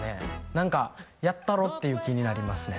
何かやったろっていう気になりますね